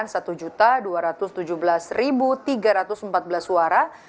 satu tujuh ratus empat puluh empat empat puluh dua suara